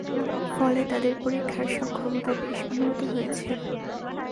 ফলে তাদের পরীক্ষার সক্ষমতা বেশ উন্নত হয়েছে।